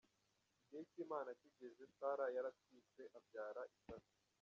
Igihe cy’Imana kigeze Sara yaratwise abyara Isaka.